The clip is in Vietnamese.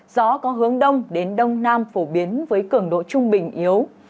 gió có hướng đông đến đông nam phổ biến với cường độ trung bình yếu